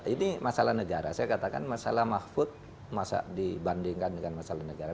ini masalah negara saya katakan masalah mahfud dibandingkan dengan masalah negara